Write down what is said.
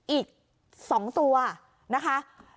อีก๒ตัวนะคะ